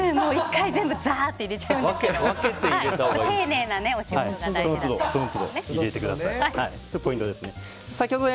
１回、全部ザーッと入れちゃうんですけど。